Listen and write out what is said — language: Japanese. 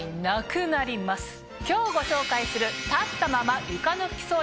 今日ご紹介する。